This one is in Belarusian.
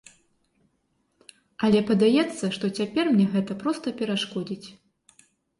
Але падаецца, што цяпер мне гэта проста перашкодзіць.